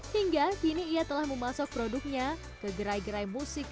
hingga kini ia telah memasuk produknya ke gerai gerai musik